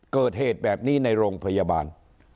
เกิดเหตุแบบนี้ในโรงพยาบาล